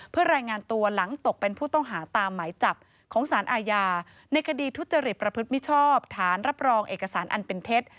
เพื่อรายงานตัวหลังตกเป็นผู้ต้องหาตามหมายจับของสารอาญาในคดีทุจริตประพฤติมิชชอบฐานรับรองเอกสารอันเป็นเท็จ